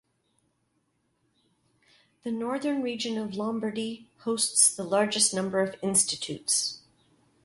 The northern region of Lombardy hosts the largest number of institutes.